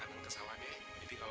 jangan nakal ya